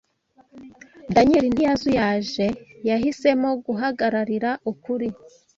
Daniyeli ntiyazuyaje Yahisemo guhagararira ukuri